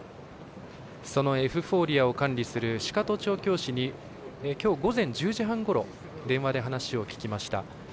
そのエフフォーリアを管理する鹿戸調教師にきょう午前１０時半ごろ電話で話を聞きました。